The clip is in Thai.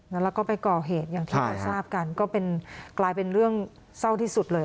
แล้วก็ไปก่อเหตุอย่างที่เราทราบกันก็เป็นกลายเป็นเรื่องเศร้าที่สุดเลย